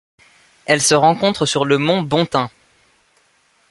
Elle se rencontre sur le mont Bonthain.